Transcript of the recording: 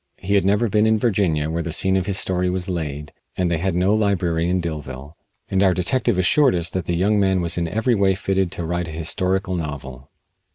He had never been in Virginia, where the scene of his story was laid, and they had no library in Dillville, and our detective assured us that the young man was in every way fitted to write a historical novel.